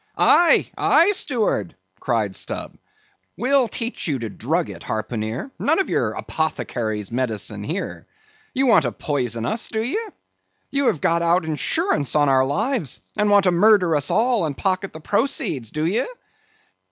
"Aye, aye, steward," cried Stubb, "we'll teach you to drug a harpooneer; none of your apothecary's medicine here; you want to poison us, do ye? You have got out insurances on our lives and want to murder us all, and pocket the proceeds, do ye?"